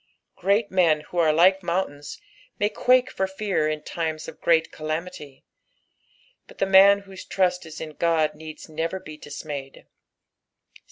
Great men who are like mountains may quake for fear in timea of great calamity, but the man whose trust b in Ood needs never be dismayed.